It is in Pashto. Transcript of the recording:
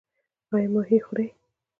ایا ماهي خورئ؟